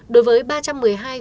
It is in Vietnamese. đối với ba trăm một mươi hai phương